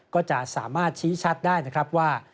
ก็จะสามารถชี้ชัดได้นะครับว่า